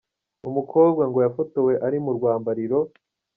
Uyu mukobwa ngo yafotowe ari mu rwambariro.